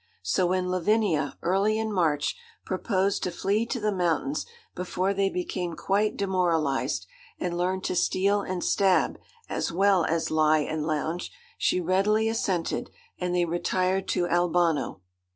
So when Lavinia, early in March, proposed to flee to the mountains before they became quite demoralized, and learned to steal and stab, as well as lie and lounge, she readily assented, and they retired to Albano.